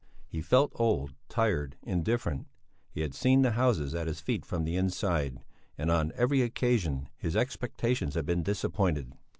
He felt old, tired, indifferent; he had seen the houses at his feet from the inside, and on every occasion his expectations had been disappointed.